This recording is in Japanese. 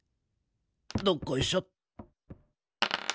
どっこいしょ。